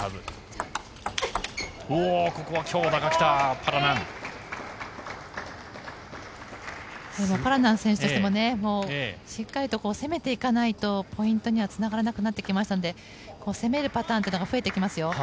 パラナン選手としてもしっかり攻めていかないとポイントにはつながらなくなってきましたので攻めるパターンというのが増えてきますよ。